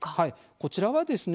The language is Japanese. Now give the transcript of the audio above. こちらはですね